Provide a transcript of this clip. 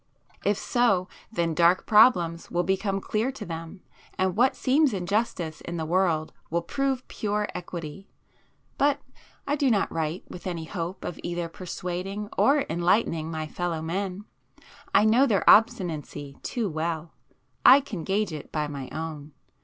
If so, then dark problems will become clear to them, and what seems injustice in the world will prove pure equity! But I do not write with any hope of either persuading or enlightening my fellow men. I know their obstinacy too well;—I can gauge it by my own.